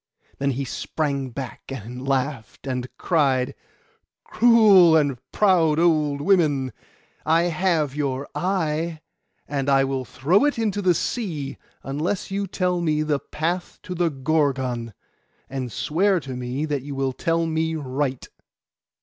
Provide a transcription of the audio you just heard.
Then he sprang back, and laughed, and cried— 'Cruel and proud old women, I have your eye; and I will throw it into the sea, unless you tell me the path to the Gorgon, and swear to me that you tell me right.